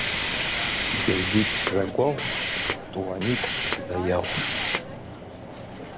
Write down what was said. ДелитӀ зэгуэгъущ, тӀуанитӀ зэегъущ.